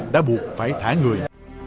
đã buộc phải thả người